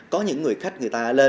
có những người khách người ta lên